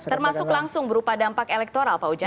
termasuk langsung berupa dampak elektoral pak ujang